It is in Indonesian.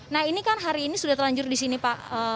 nah ini kan hari ini sudah terlanjur di sini pak